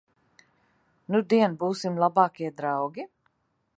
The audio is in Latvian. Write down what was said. Nudien būsim labākie draugi?